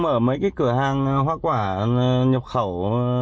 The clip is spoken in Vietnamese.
ở đây thì cái hoa quả nhập khẩu